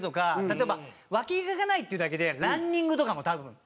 例えばワキ毛がないっていうだけでランニングとかも多分。